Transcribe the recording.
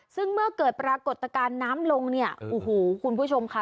ซึ่งเมื่อเกิดปรากฏการณ์น้ำลงเนี่ยโอ้โหคุณผู้ชมค่ะ